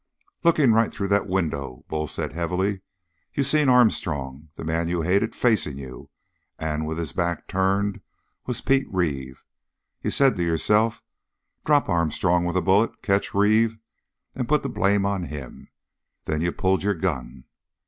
"Looking right through that window," said Bull heavily, "you seen Armstrong, the man you hated, facing you, and, with his back turned, was Pete Reeve. You said to yourself, 'Drop Armstrong with a bullet, catch Reeve, and put the blame on him!' Then you pulled your gun."